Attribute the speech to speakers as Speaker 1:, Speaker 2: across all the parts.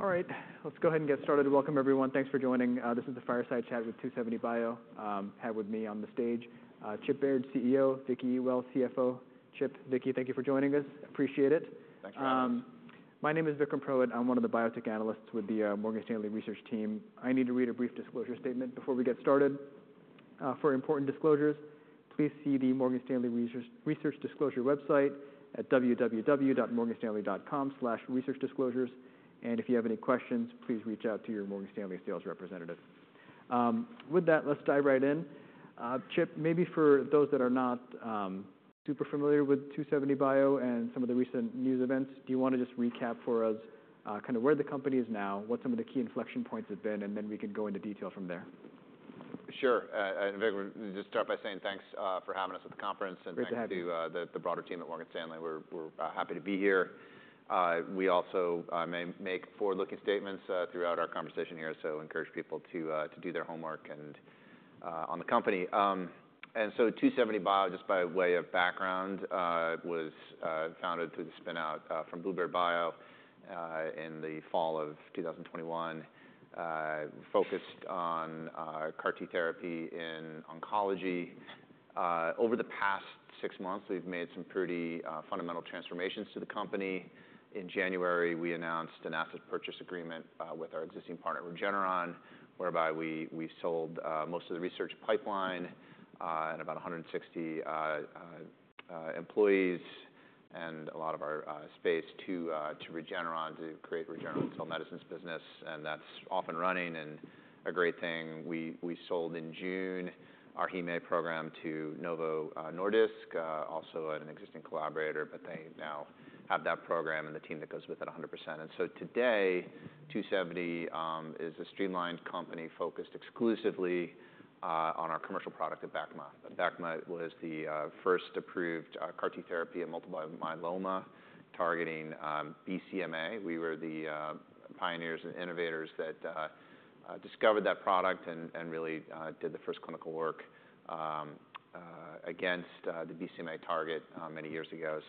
Speaker 1: All right, let's go ahead and get started. Welcome, everyone. Thanks for joining. This is the Fireside Chat with 2seventy bio. I have with me on the stage, Chip Baird, CEO, Vicki Zwicker, CFO. Chip, Vicki, thank you for joining us. Appreciate it.
Speaker 2: Thanks for having us.
Speaker 3: My name is Vikram Prasad. I'm one of the biotech analysts with the Morgan Stanley research team. I need to read a brief disclosure statement before we get started. For important disclosures, please see the Morgan Stanley Research, Research Disclosure website at www.morganstanley.com/researchdisclosures. If you have any questions, please reach out to your Morgan Stanley sales representative. With that, let's dive right in. Chip, maybe for those that are not super familiar with 2seventy bio and some of the recent news events, do you want to just recap for us, kind of where the company is now, what some of the key inflection points have been, and then we can go into detail from there?
Speaker 2: Sure. And Vikram, just start by saying thanks for having us at the conference.
Speaker 1: Good to have you.
Speaker 2: Thanks to the broader team at Morgan Stanley. We're happy to be here. We also may make forward-looking statements throughout our conversation here, so encourage people to do their homework on the company. 2seventy bio, just by way of background, was founded through the spin-out from bluebird bio in the fall of 2021. Focused on CAR T therapy in oncology. Over the past six months, we've made some pretty fundamental transformations to the company. In January, we announced an asset purchase agreement with our existing partner, Regeneron, whereby we sold most of the research pipeline and about 160 employees and a lot of our space to Regeneron to create Regeneron's cell medicines business, and that's off and running and a great thing. We sold in June our heme program to Novo Nordisk, also an existing collaborator, but they now have that program and the team that goes with it 100%. Today, 2seventy bio is a streamlined company focused exclusively on our commercial product Abecma. Abecma was the first approved CAR T therapy in multiple myeloma, targeting BCMA. We were the pioneers and innovators that discovered that product and really did the first clinical work against the BCMA target many years ago.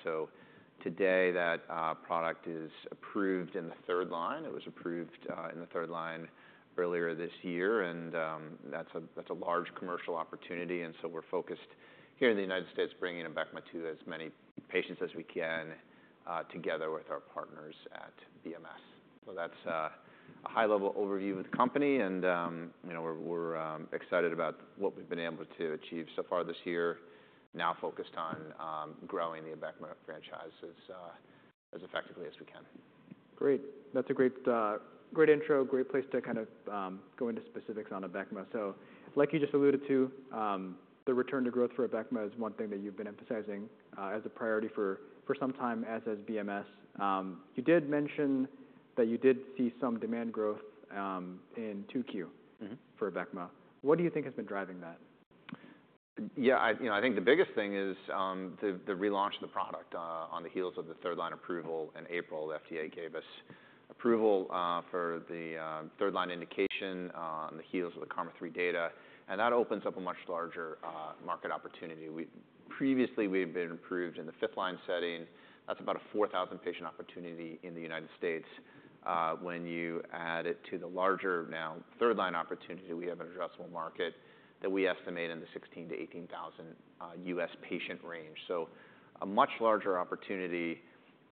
Speaker 2: Today, that product is approved in the third line. It was approved in the third line earlier this year, and that's a large commercial opportunity, and we're focused here in the U.S., bringing Abecma to as many patients as we can, together with our partners at BMS. That's a high-level overview of the company, and, you know, we're excited about what we've been able to achieve so far this year. Now focused on growing the Abecma franchise as effectively as we can.
Speaker 3: Great. That's a great, great intro, great place to kind of go into specifics on Abecma. Like you just alluded to, the return to growth for Abecma is one thing that you've been emphasizing as a priority for some time, as is BMS. You did mention that you did see some demand growth in 2Q.... for Abecma. What do you think has been driving that?
Speaker 2: Yeah, I... You know, I think the biggest thing is, the, the relaunch of the product, on the heels of the third line approval. In April, the FDA gave us approval, for the, third line indication, on the heels of the KarMMa-3 data, and that opens up a much larger, market opportunity. We previously, we had been approved in the fifth line setting. That's about a 4,000 patient opportunity in the United States. When you add it to the larger, now third line opportunity, we have an addressable market that we estimate in the 16,000-18,000 US patient range. A much larger opportunity,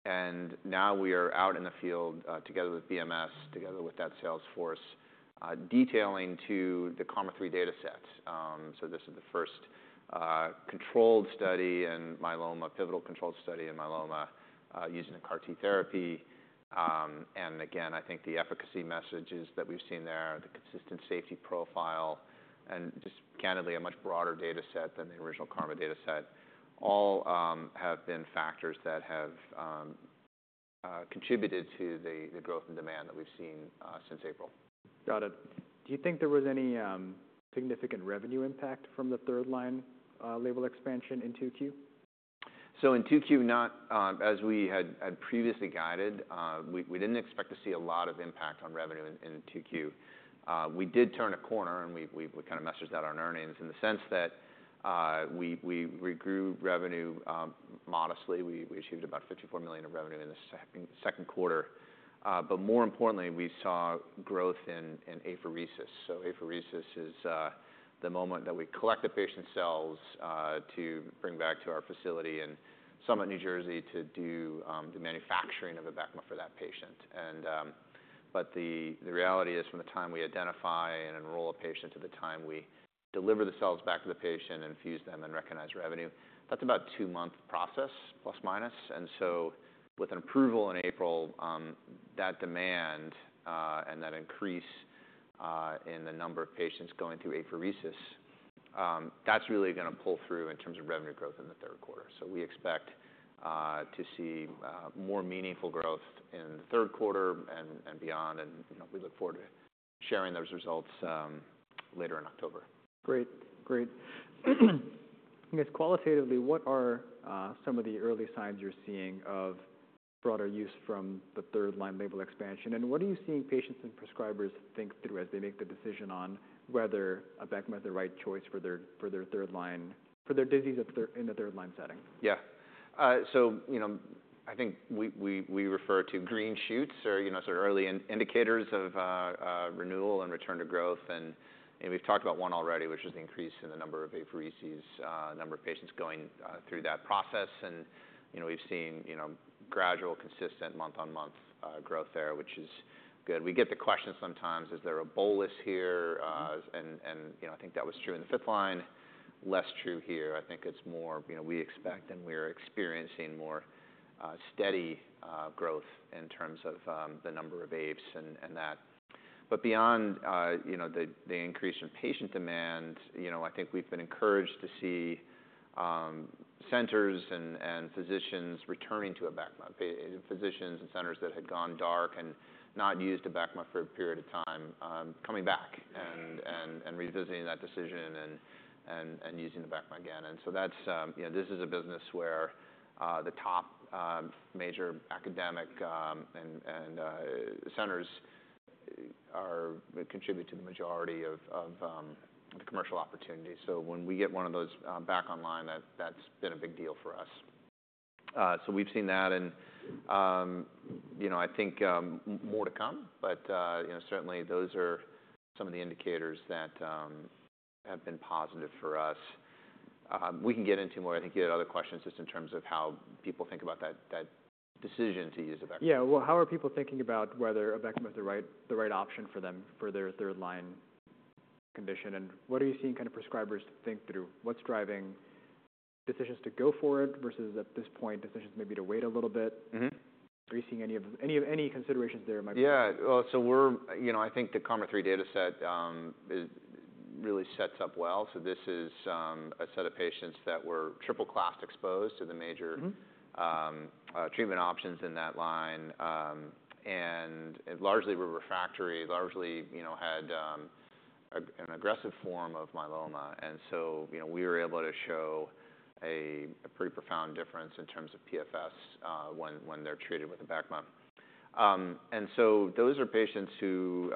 Speaker 2: and now we are out in the field, together with BMS, together with that sales force, detailing to the KarMMa-3 data sets. This is the first controlled study in myeloma, pivotal controlled study in myeloma, using a CAR T therapy. I think the efficacy messages that we've seen there, the consistent safety profile, and just candidly, a much broader data set than the original KarMMa data set, all have been factors that have contributed to the growth and demand that we've seen since April.
Speaker 3: Got it. Do you think there was any significant revenue impact from the third line label expansion in 2Q?
Speaker 2: In 2Q, not as we had previously guided, we did not expect to see a lot of impact on revenue in 2Q. We did turn a corner, and we kind of messaged that on earnings in the sense that we regrew revenue modestly. We achieved about $54 million of revenue in the second quarter. More importantly, we saw growth in apheresis. Apheresis is the moment that we collect the patient cells to bring back to our facility in Summit, New Jersey, to do the manufacturing of Abecma for that patient. The reality is, from the time we identify and enroll a patient to the time we deliver the cells back to the patient and infuse them and recognize revenue, that's about a two-month process, plus, minus. With an approval in April, that demand and that increase in the number of patients going through apheresis, that's really gonna pull through in terms of revenue growth in the third quarter. We expect to see more meaningful growth in the third quarter and beyond, and, you know, we look forward to sharing those results later in October.
Speaker 3: Great. Great. I guess qualitatively, what are some of the early signs you're seeing of broader use from the third line label expansion? And what are you seeing patients and prescribers think through as they make the decision on whether Abecma is the right choice for their, for their third line—for their disease in the third—in the third line setting?
Speaker 2: Yeah. You know, I think we refer to green shoots or, you know, sort of early indicators of renewal and return to growth. We've talked about one already, which is the increase in the number of apheresis, number of patients going through that process. You know, we've seen gradual, consistent month-on-month growth there, which is good. We get the question sometimes, "Is there a bolus here?" You know, I think that was true in the fifth line, less true here. I think it's more, you know, we expect, and we are experiencing more steady growth in terms of the number of apheresis and that. Beyond, you know, the increase in patient demand, you know, I think we've been encouraged to see centers and physicians returning to Abecma. Physicians and centers that had gone dark and not used Abecma for a period of time, coming back and revisiting that decision and using Abecma again. This is a business where the top major academic and centers contribute to the majority of the commercial opportunities. When we get one of those back online, that has been a big deal for us. We have seen that and, you know, I think more to come, but, you know, certainly those are some of the indicators that have been positive for us. We can get into more. I think you had other questions, just in terms of how people think about that, that decision to use Abecma.
Speaker 3: Yeah. How are people thinking about whether Abecma is the right, the right option for them, for their third-line condition? What are you seeing kind of prescribers think through? What's driving decisions to go for it, versus at this point, decisions maybe to wait a little bit? Are you seeing any of... any considerations there might be?
Speaker 2: Yeah. We're, you know, I think the KarMMa-3 data set really sets up well. This is a set of patients that were triple class exposed to the major-... treatment options in that line. And largely, we were refractory, largely, you know, had, a, an aggressive form of myeloma. And so, you know, we were able to show a, a pretty profound difference in terms of PFS, when, when they're treated with Abecma. And so those are patients who,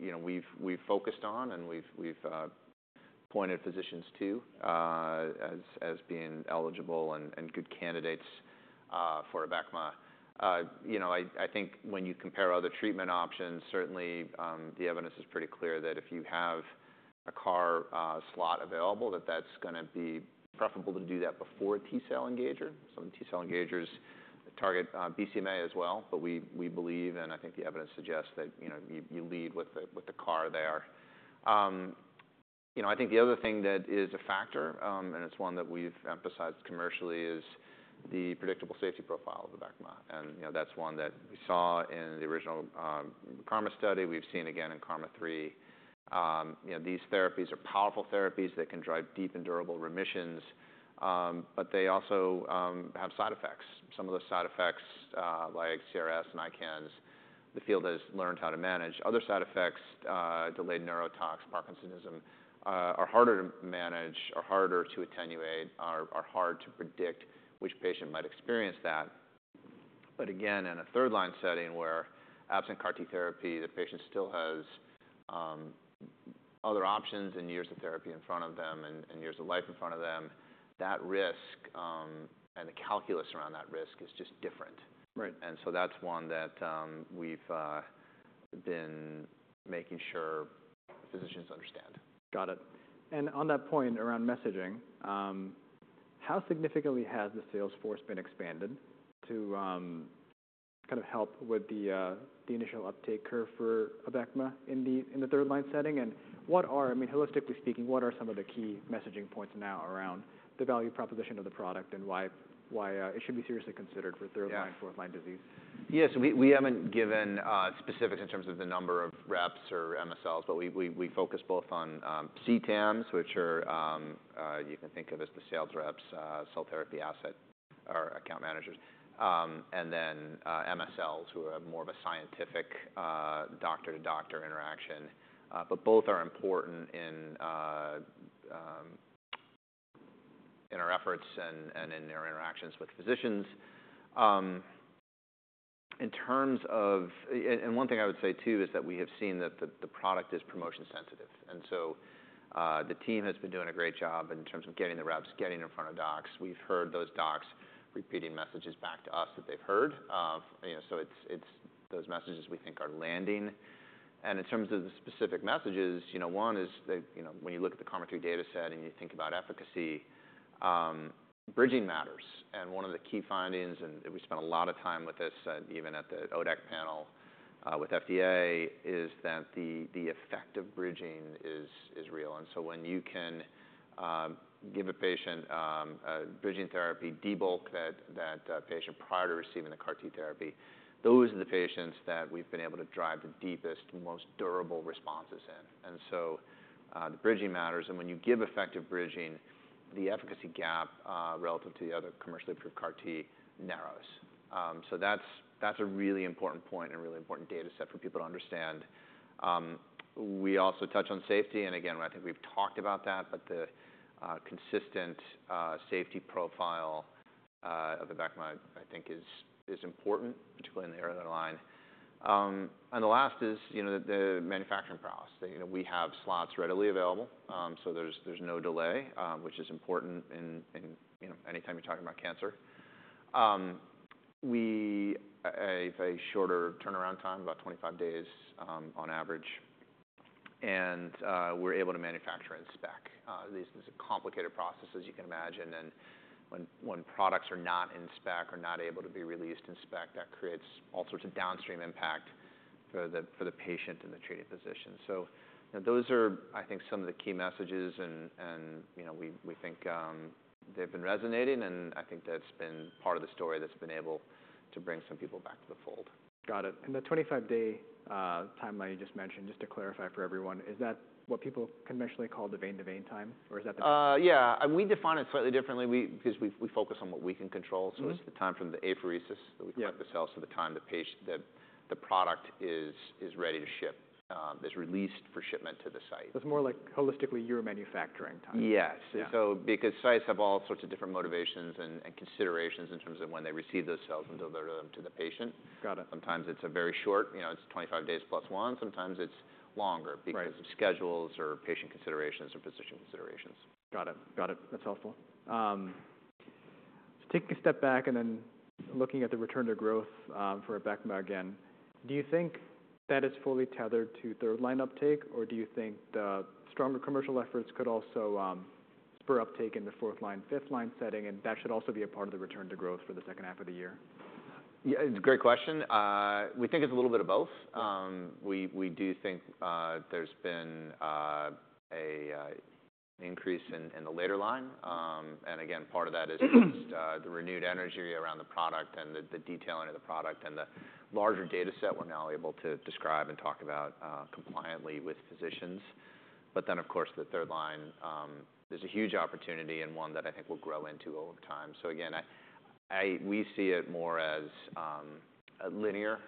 Speaker 2: you know, we've, we've focused on and we've, we've, pointed physicians to, as, as being eligible and, and good candidates, for Abecma. You know, I think when you compare other treatment options, certainly, the evidence is pretty clear that if you have a CAR, slot available, that that's gonna be preferable to do that before T-cell engager. Some T-cell engagers target, you know, BCMA as well, but we, we believe, and I think the evidence suggests that, you know, you, you lead with the, with the CAR there. I think the other thing that is a factor, and it's one that we've emphasized commercially, is the predictable safety profile of Abecma. And, you know, that's one that we saw in the original KarMMa study. We've seen again in KarMMa-3. You know, these therapies are powerful therapies that can drive deep and durable remissions, but they also have side effects. Some of the side effects, like CRS and ICANS, the field has learned how to manage. Other side effects, delayed neurotox, Parkinsonism, are harder to manage, are harder to attenuate, are, are hard to predict which patient might experience that. Again, in a third-line setting where absent CAR T therapy, the patient still has other options and years of therapy in front of them and years of life in front of them, that risk and the calculus around that risk is just different.
Speaker 3: Right.
Speaker 2: That's one that we've been making sure physicians understand.
Speaker 3: Got it. On that point around messaging, how significantly has the sales force been expanded to kind of help with the initial uptake curve for Abecma in the third-line setting? What are, I mean, holistically speaking, some of the key messaging points now around the value proposition of the product, and why, why it should be seriously considered for third-line
Speaker 2: Yeah...
Speaker 3: fourth-line disease?
Speaker 2: Yes, we haven't given specifics in terms of the number of reps or MSLs, but we focus both on CTAMs, which are, you can think of as the sales reps, cell therapy asset or account managers, and then MSLs, who are more of a scientific, doctor-to-doctor interaction. Both are important in our efforts and in their interactions with physicians. In terms of... And one thing I would say, too, is that we have seen that the product is promotion sensitive, and the team has been doing a great job in terms of getting the reps, getting in front of docs. We've heard those docs repeating messages back to us that they've heard, you know, so it's those messages we think are landing. In terms of the specific messages, you know, one is that, you know, when you look at the KarMMa data set and you think about efficacy, bridging matters. One of the key findings, and we spent a lot of time with this, even at the ODAC panel with FDA, is that the effect of bridging is real. When you can give a patient a bridging therapy, debulk that patient prior to receiving the CAR T therapy, those are the patients that we've been able to drive the deepest and most durable responses in. The bridging matters, and when you give effective bridging, the efficacy gap relative to the other commercially approved CAR T narrows. That's a really important point and a really important data set for people to understand. We also touch on safety, and again, I think we've talked about that, but the consistent safety profile of Abecma, I think, is important, particularly in the earlier line. The last is, you know, the manufacturing process. You know, we have slots readily available, so there's no delay, which is important anytime you're talking about cancer. We—a shorter turnaround time, about 25 days on average, and we're able to manufacture in spec. This is a complicated process, as you can imagine, and when products are not in spec or not able to be released in spec, that creates all sorts of downstream impact for the patient and the treating physician. Those are, I think, some of the key messages, and, you know, we think they've been resonating, and I think that's been part of the story that's been able to bring some people back to the fold.
Speaker 3: Got it. And the twenty-five day timeline you just mentioned, just to clarify for everyone, is that what people conventionally call the vein-to-vein time, or is that the—
Speaker 2: Yeah, and we define it slightly differently. We, because we, we focus on what we can control. It's the time from the apheresis-
Speaker 3: Yeah...
Speaker 2: that we collect the cells to the time the product is ready to ship, is released for shipment to the site.
Speaker 3: It's more like holistically, your manufacturing time?
Speaker 2: Yes.
Speaker 3: Yeah.
Speaker 2: Because sites have all sorts of different motivations and considerations in terms of when they receive those cells and deliver them to the patient.
Speaker 3: Got it.
Speaker 2: Sometimes it's a very short, you know, it's 25 days plus one. Sometimes it's longer.
Speaker 3: Right...
Speaker 2: because of schedules, or patient considerations, or physician considerations.
Speaker 3: Got it. Got it. That's helpful. So taking a step back and then looking at the return to growth, for Abecma again, do you think that is fully tethered to third-line uptake, or do you think the stronger commercial efforts could also spur uptake in the fourth-line, fifth-line setting, and that should also be a part of the return to growth for the second half of the year?
Speaker 2: Yeah, it's a great question. We think it's a little bit of both. We do think there's been a, a increase in, in the later line. Again, part of that is the renewed energy around the product and the detailing of the product and the larger data set we're now able to describe and talk about compliantly with physicians. Of course, the third line, there's a huge opportunity and one that I think will grow into over time. Again, I... We see it more as linear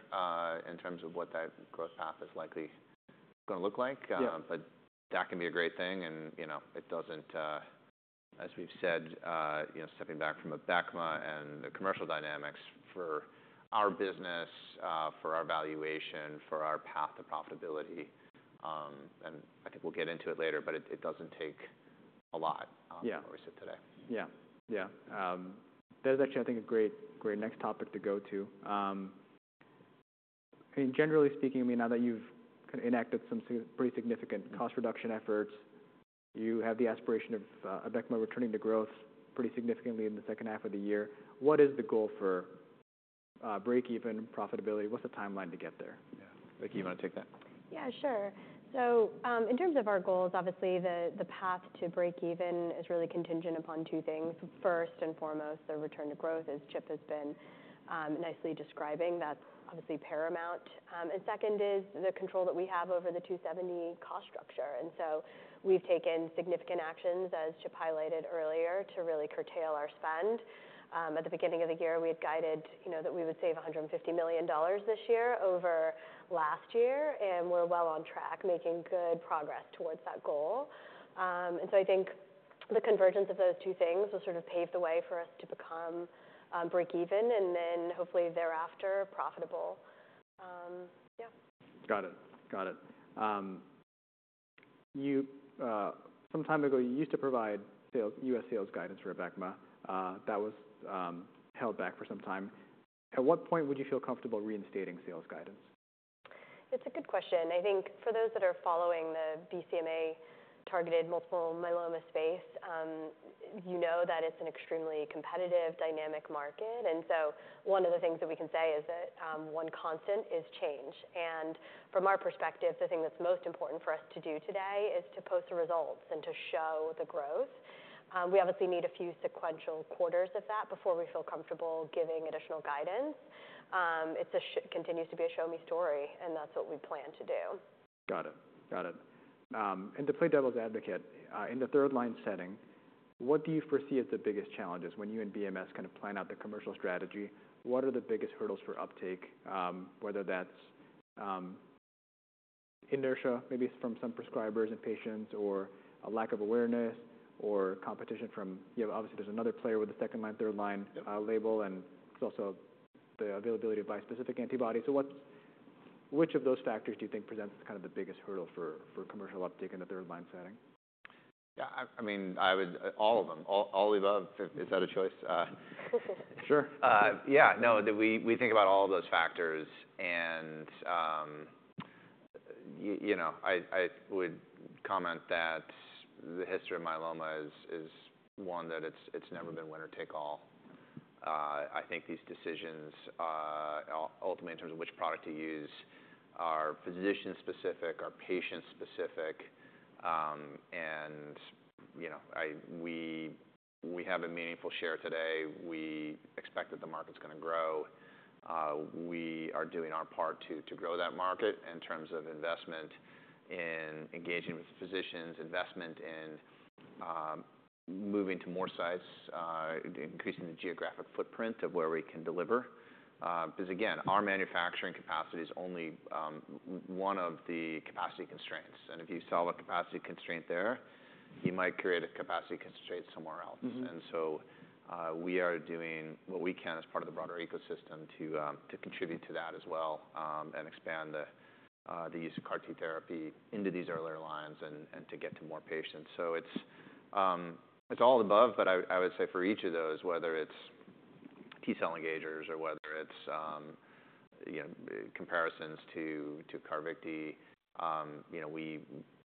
Speaker 2: in terms of what that growth path is likely gonna look like.
Speaker 3: Yeah.
Speaker 2: But that can be a great thing, and, you know, it doesn't, as we've said, you know, stepping back from Abecma and the commercial dynamics for our business, for our valuation, for our path to profitability, and I think we'll get into it later, but it doesn't take a lot-
Speaker 3: Yeah...
Speaker 2: where we sit today.
Speaker 3: Yeah. Yeah. That is actually, I think, a great, great next topic to go to. I mean, generally speaking, I mean, now that you've kind of enacted some pretty significant cost reduction efforts, you have the aspiration of Abecma returning to growth pretty significantly in the second half of the year. What is the goal for break-even profitability? What's the timeline to get there?
Speaker 2: Yeah. Vicki, you wanna take that?
Speaker 4: Yeah, sure. In terms of our goals, obviously, the path to break even is really contingent upon two things. First and foremost, the return to growth, as Chip has been nicely describing. That's obviously paramount. Second is the control that we have over the 2seventy bio cost structure. We have taken significant actions, as Chip highlighted earlier, to really curtail our spend. At the beginning of the year, we had guided that we would save $150 million this year over last year, and we're well on track, making good progress towards that goal. I think the convergence of those two things will sort of pave the way for us to become break even, and then hopefully thereafter, profitable. Yeah.
Speaker 3: Got it. Got it. You, some time ago, you used to provide US sales guidance for Abecma, that was held back for some time. At what point would you feel comfortable reinstating sales guidance?
Speaker 4: It's a good question. I think for those that are following the BCMA-targeted multiple myeloma space, you know that it's an extremely competitive, dynamic market. One of the things that we can say is that one constant is change. From our perspective, the thing that's most important for us to do today is to post the results and to show the growth. We obviously need a few sequential quarters of that before we feel comfortable giving additional guidance. It continues to be a show me story, and that's what we plan to do.
Speaker 3: Got it. Got it. And to play devil's advocate, in the third line setting, what do you foresee as the biggest challenges when you and BMS kind of plan out the commercial strategy? What are the biggest hurdles for uptake? Whether that's inertia, maybe it's from some prescribers and patients, or a lack of awareness, or competition from... You know, obviously there's another player with a second-line, third-line-
Speaker 2: Yeah...
Speaker 3: label, and there's also the availability of bispecific antibodies. Which of those factors do you think presents kind of the biggest hurdle for, for commercial uptake in the third-line setting?
Speaker 2: Yeah, I mean, I would-- all of them. All, all the above. Is that a choice?
Speaker 3: Sure.
Speaker 2: Yeah, no, we think about all of those factors, and, you know, I would comment that the history of myeloma is one that it's never been winner take all. I think these decisions ultimately, in terms of which product to use, are physician-specific, are patient-specific. You know, I, we have a meaningful share today. We expect that the market's gonna grow. We are doing our part to grow that market in terms of investment in engaging with physicians, investment in moving to more sites, increasing the geographic footprint of where we can deliver. Because, again, our manufacturing capacity is only one of the capacity constraints, and if you solve a capacity constraint there, you might create a capacity constraint somewhere else. We are doing what we can as part of the broader ecosystem to contribute to that as well and expand the use of CAR T therapy into these earlier lines and to get to more patients. It is all above, but I would say for each of those, whether it's T-cell engagers, or whether it's, you know, comparisons to Carvykti, you know, we--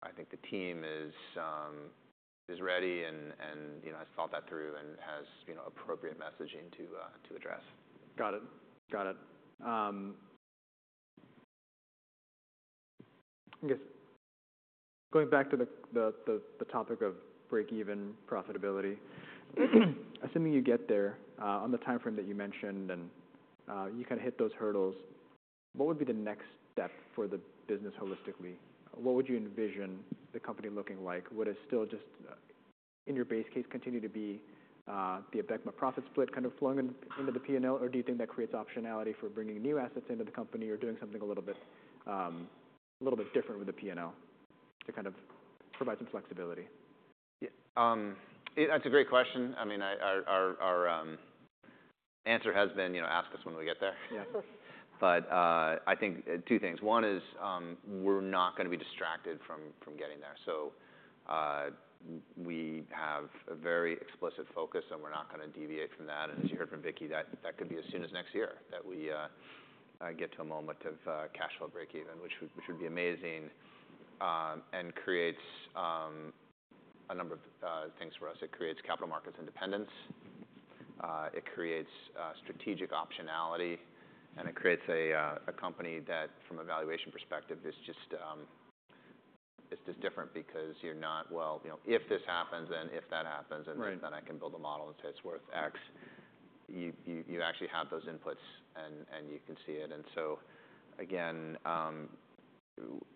Speaker 2: I think the team is ready and, you know, has thought that through and has, you know, appropriate messaging to address.
Speaker 3: Got it. Got it. I guess going back to the topic of break-even profitability, assuming you get there on the timeframe that you mentioned, and you kind of hit those hurdles, what would be the next step for the business holistically? What would you envision the company looking like? Would it still just, in your base case, continue to be the Abecma profit split kind of flowing into the P&L? Or do you think that creates optionality for bringing new assets into the company or doing something a little bit different with the P&L to kind of provide some flexibility?
Speaker 2: Yeah, it... That's a great question. I mean, our answer has been, you know, "Ask us when we get there.
Speaker 3: Yeah.
Speaker 2: I think two things. One is, we're not gonna be distracted from getting there, so we have a very explicit focus, and we're not gonna deviate from that. As you heard from Vicki, that could be as soon as next year, that we get to a moment of cash flow break-even, which would be amazing, and creates a number of things for us. It creates capital markets independence, it creates strategic optionality, and it creates a company that, from a valuation perspective, is just, it's just different because you're not, well, you know, if this happens and if that happens.
Speaker 3: Right...
Speaker 2: and then I can build a model that says it's worth X, you actually have those inputs, and you can see it. Again,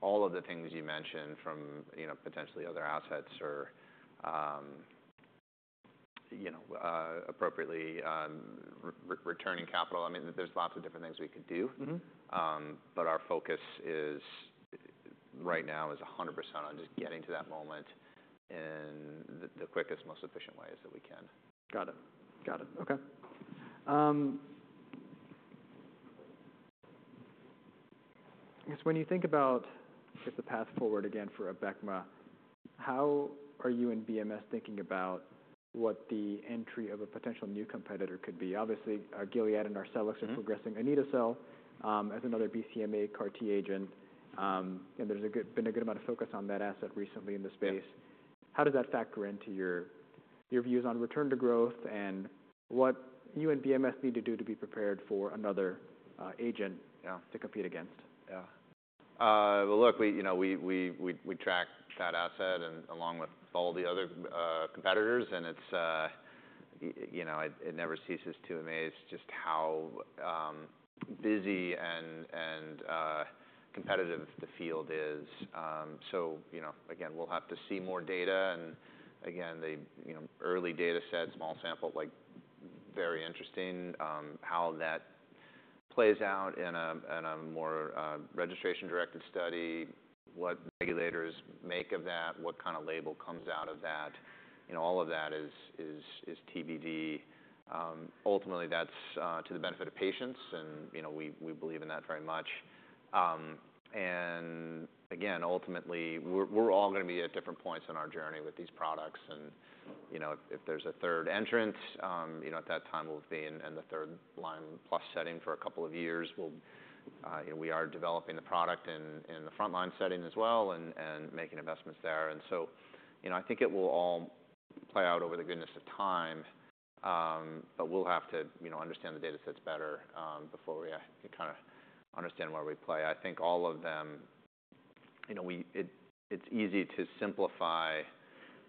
Speaker 2: all of the things you mentioned from, you know, potentially other assets or, you know, appropriately returning capital, I mean, there's lots of different things we could do. Our focus is, right now, is a hundred percent on just getting to that moment in the, the quickest, most efficient ways that we can.
Speaker 3: Got it. Got it. Okay. I guess when you think about just the path forward again for Abecma, how are you and BMS thinking about what the entry of a potential new competitor could be? Obviously, Gilead and Arcellx-... are progressing anito-cel, as another BCMA CAR T agent. There has been a good amount of focus on that asset recently in the space.
Speaker 2: Yeah.
Speaker 3: How does that factor into your, your views on return to growth and what you and BMS need to do to be prepared for another agent-
Speaker 2: Yeah...
Speaker 3: to compete against?
Speaker 2: Yeah. Look, we, you know, we, we track that asset and along with all the other competitors, and it's, you know, it never ceases to amaze just how busy and competitive the field is. You know, again, we'll have to see more data, and again, the early data set, small sample, like, very interesting, how that plays out in a more registration-directed study, what regulators make of that, what kind of label comes out of that. You know, all of that is TBD. Ultimately, that's to the benefit of patients, and, you know, we, we believe in that very much. Again, ultimately, we're all gonna be at different points in our journey with these products. You know, if there is a third entrant, you know, at that time, we will be in the third line-plus setting for a couple of years. We are developing the product in the frontline setting as well and making investments there. You know, I think it will all play out over the goodness of time, but we will have to, you know, understand the datasets better before we kind of understand where we play. I think all of them, you know, it is easy to simplify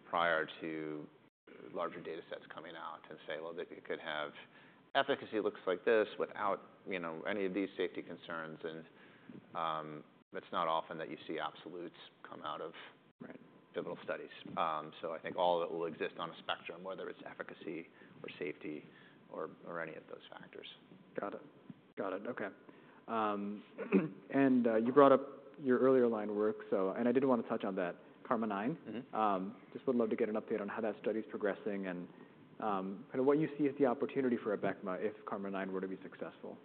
Speaker 2: prior to larger datasets coming out and say, "Well, if you could have efficacy looks like this without any of these safety concerns," and it is not often that you see absolutes come out of—
Speaker 3: Right
Speaker 2: I think all that will exist on a spectrum, whether it's efficacy or safety or any of those factors.
Speaker 3: Got it. Got it. Okay. You brought up your earlier line work, so... I did wanna touch on that KarMMa-9. Just would love to get an update on how that study is progressing and kind of what you see as the opportunity for Abecma if KarMMa-9 were to be successful.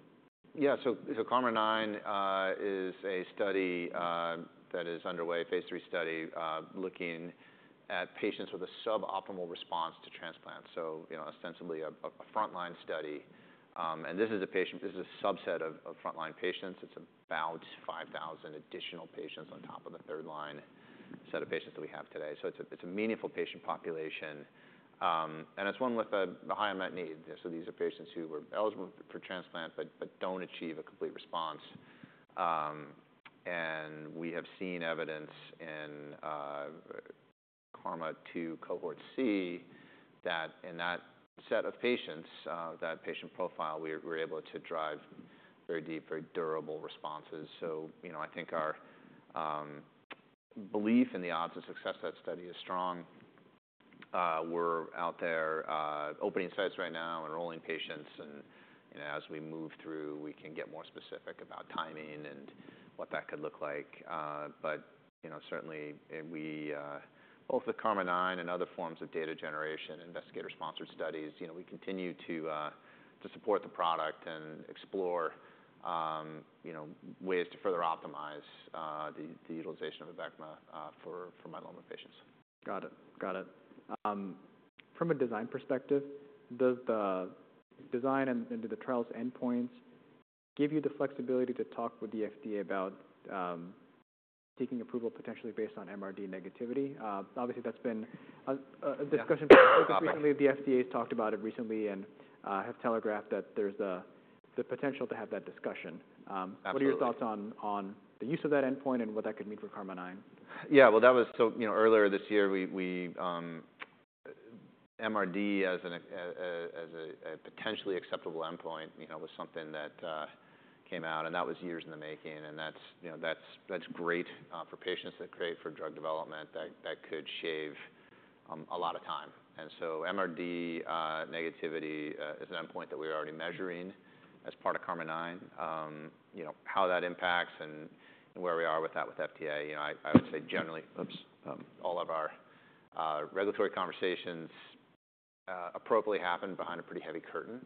Speaker 2: Yeah. So KarMMa-9 is a study that is underway, phase 3 study, looking at patients with a suboptimal response to transplant. You know, ostensibly a frontline study, and this is a subset of frontline patients. It's about 5,000 additional patients on top of the third line set of patients that we have today. It's a meaningful patient population, and it's one with a high unmet need. These are patients who were eligible for transplant but don't achieve a complete response. We have seen evidence in KarMMa-2 Cohort C that in that set of patients, that patient profile, we're able to drive very deep, very durable responses. I think our belief in the odds of success of that study is strong. We're out there opening sites right now, enrolling patients, and as we move through, we can get more specific about timing and what that could look like. You know, certainly, and we, both with KarMMa-9 and other forms of data generation, investigator-sponsored studies, we continue to support the product and explore, you know, ways to further optimize the utilization of Abecma for myeloma patients.
Speaker 3: Got it. Got it. From a design perspective, does the design and, and do the trial's endpoints give you the flexibility to talk with the FDA about, seeking approval, potentially based on MRD negativity? Obviously, that's been a, a discussion-
Speaker 2: Yeah.
Speaker 3: Recently. The FDA's talked about it recently and have telegraphed that there's the potential to have that discussion.
Speaker 2: Absolutely.
Speaker 3: What are your thoughts on, on the use of that endpoint and what that could mean for KarMMa-9?
Speaker 2: Yeah, that was so... You know, earlier this year, we, we, MRD as an, as a, a potentially acceptable endpoint, you know, was something that came out, and that was years in the making, and that's, you know, that's great, for patients, that's great for drug development, that could shave a lot of time. And so MRD negativity is an endpoint that we're already measuring as part of KarMMa-9. You know, how that impacts and, and where we are with that with FDA, you know, I would say, generally, oops, all of our regulatory conversations appropriately happen behind a pretty heavy curtain.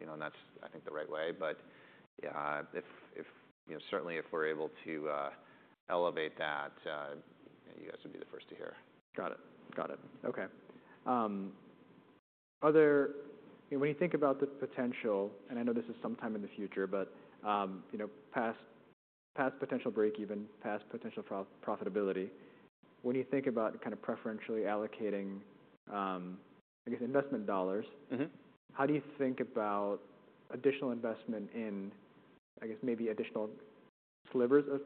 Speaker 2: You know, and that's, I think, the right way. If, if... You know, certainly if we're able to elevate that, you guys would be the first to hear.
Speaker 3: Got it. Got it. Okay. Are there-- When you think about the potential, and I know this is sometime in the future, but, you know, past, past potential break even, past potential profitability, when you think about kind of preferentially allocating, you know, I guess, investment dollars- How do you think about additional investment in, I guess, maybe additional slivers of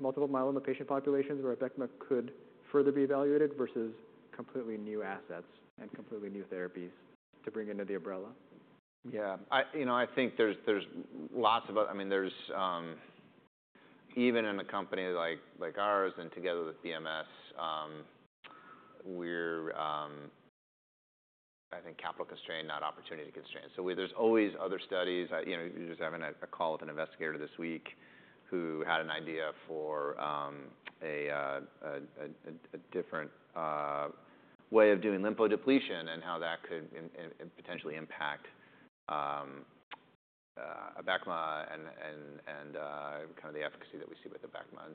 Speaker 3: multiple myeloma patient populations, where Abecma could further be evaluated versus completely new assets and completely new therapies to bring under the umbrella?
Speaker 2: Yeah, I think there's lots of-- I mean, there's, even in a company like ours, and together with BMS, we're, I think, capital constrained, not opportunity constrained. There's always other studies. I was just having a call with an investigator this week who had an idea for a different way of doing lymphodepletion and how that could potentially impact Abecma and kind of the efficacy that we see with Abecma.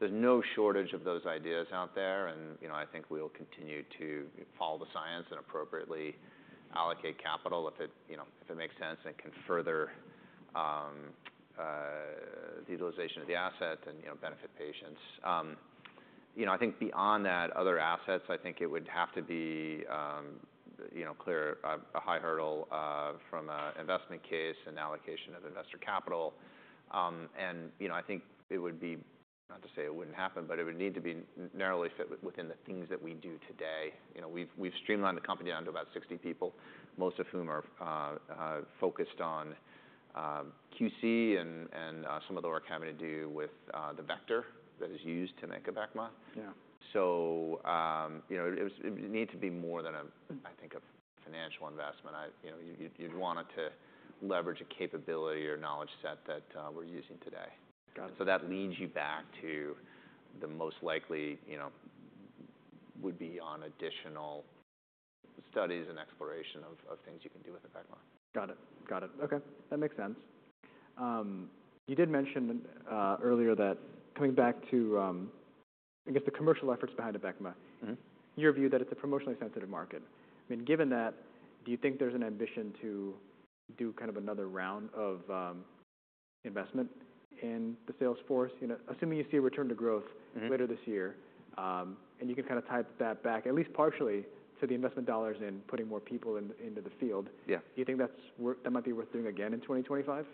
Speaker 2: There's no shortage of those ideas out there, and I think we'll continue to follow the science and appropriately allocate capital if it makes sense and can further the utilization of the asset and benefit patients. You know, I think beyond that, other assets, I think it would have to be, you know, clear a high hurdle from an investment case and allocation of investor capital. You know, I think it would be... Not to say it wouldn't happen, but it would need to be narrowly fit within the things that we do today. You know, we've streamlined the company down to about 60 people, most of whom are focused on QC and some of the work having to do with the vector that is used to make Abecma.
Speaker 3: Yeah.
Speaker 2: You know, it would need to be more than, I think, a financial investment. I... You know, you'd want it to leverage a capability or knowledge set that we're using today.
Speaker 3: Got it.
Speaker 2: That leads you back to the most likely, you know, would be on additional studies and exploration of, of things you can do with Abecma.
Speaker 3: Got it. Got it. Okay, that makes sense. You did mention earlier that coming back to, I guess, the commercial efforts behind Abecma. your view, that it's a promotionally sensitive market. I mean, given that, do you think there's an ambition to do kind of another round of investment in the sales force? You know, assuming you see a return to growth- later this year, and you can kind of tie that back, at least partially, to the investment dollars and putting more people in- into the field.
Speaker 2: Yeah.
Speaker 3: Do you think that's worth doing again in 2025?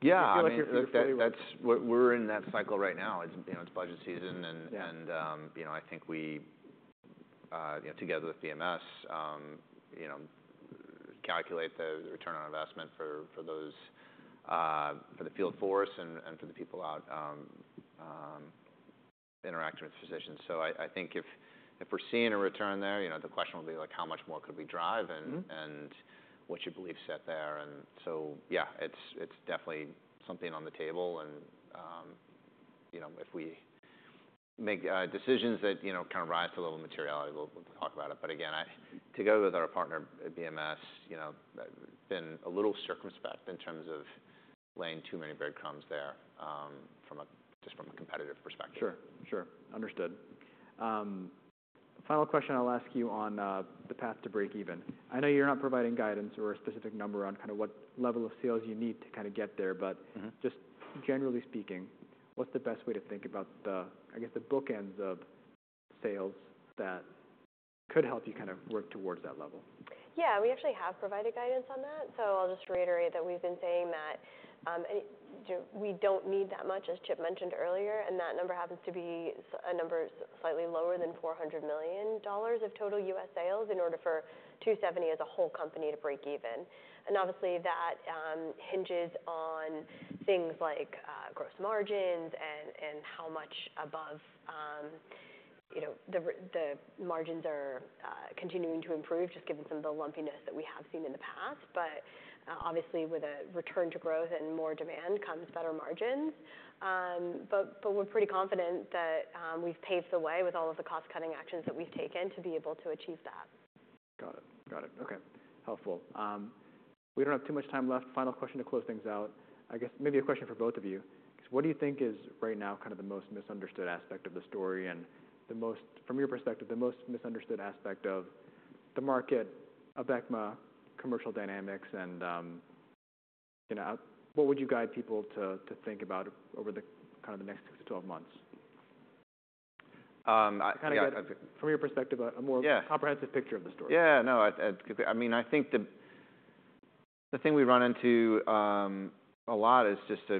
Speaker 2: Yeah, I mean-
Speaker 3: I feel like you're-
Speaker 2: That's... We're, we're in that cycle right now. It's, you know, it's budget season, and-
Speaker 3: Yeah...
Speaker 2: and, you know, I think we, you know, together with BMS, you know, calculate the return on investment for, for those, for the field force and, and for the people out, interacting with physicians. I think if, if we're seeing a return there, you know, the question will be like: How much more could we drive-... and what's your belief set there? It's definitely something on the table. You know, if we make decisions that kind of rise to the level of materiality, we'll talk about it. Again, I, together with our partner at BMS, have been a little circumspect in terms of laying too many breadcrumbs there, just from a competitive perspective.
Speaker 3: Sure, sure. Understood. Final question I'll ask you on the path to break even. I know you're not providing guidance or a specific number on kind of what level of sales you need to kind of get there, but-... just generally speaking, what's the best way to think about the, I guess, the bookends of sales that could help you kind of work towards that level?
Speaker 4: Yeah, we actually have provided guidance on that, so I'll just reiterate that we've been saying that we don't need that much, as Chip mentioned earlier, and that number happens to be a number slightly lower than $400 million of total US sales in order for 2seventy bio as a whole company to break even. Obviously, that hinges on things like gross margins and how much above, you know, the margins are continuing to improve, just given some of the lumpiness that we have seen in the past. Obviously, with a return to growth and more demand comes better margins. We're pretty confident that we've paved the way with all of the cost-cutting actions that we've taken to be able to achieve that.
Speaker 3: Got it. Got it. Okay, helpful. We do not have too much time left. Final question to close things out, I guess maybe a question for both of you, 'cause what do you think is right now kind of the most misunderstood aspect of the story, and the most, from your perspective, the most misunderstood aspect of the market, of Abecma, commercial dynamics, and, you know, what would you guide people to, to think about over the kind of the next six to twelve months? Kind of get, from your perspective, a more-
Speaker 2: Yeah...
Speaker 3: comprehensive picture of the story.
Speaker 2: Yeah, no, I, I'd... I mean, I think the thing we run into a lot is just a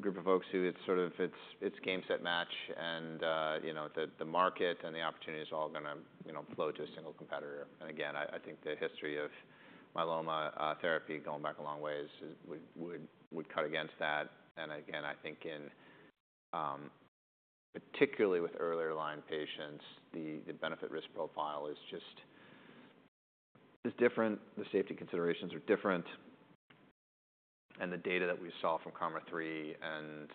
Speaker 2: group of folks who it's sort of, it's game, set, match, and, you know, the market and the opportunity is all gonna, you know, flow to a single competitor. I think the history of myeloma therapy going back a long ways would cut against that. I think in, particularly with earlier line patients, the benefit-risk profile is just, is different, the safety considerations are different, and the data that we saw from KarMMa-3 and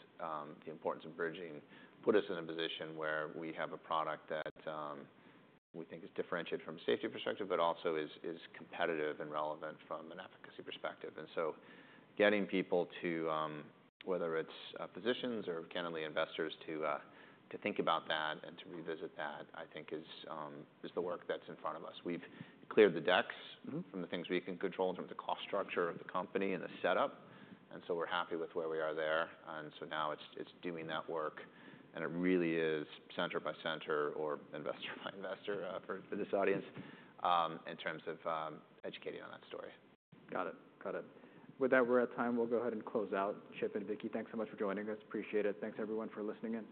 Speaker 2: the importance of bridging put us in a position where we have a product that we think is differentiated from a safety perspective, but also is competitive and relevant from an efficacy perspective. Getting people to, whether it's physicians or, candidly, investors, to think about that and to revisit that, I think is the work that's in front of us. We've cleared the decks.... from the things we can control in terms of cost structure of the company and the setup, and we're happy with where we are there. It's doing that work, and it really is center by center or investor by investor, for this audience, in terms of educating on that story.
Speaker 3: Got it. Got it. With that, we're at time. We'll go ahead and close out. Chip and Vicki, thanks so much for joining us. Appreciate it. Thanks everyone for listening in.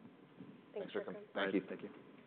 Speaker 4: Thanks for coming.
Speaker 2: Thanks.
Speaker 3: Thank you.